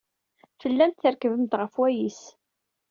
Tellamt trekkbemt ɣef wayis.